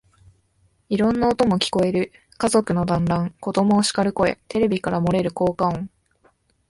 いろんな音も聞こえる。家族の団欒、子供をしかる声、テレビから漏れる効果音、